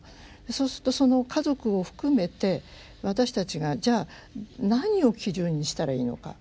そうするとその家族を含めて私たちがじゃあ何を基準にしたらいいのか。